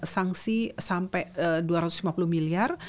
sanksi sampai dua ratus lima puluh miliar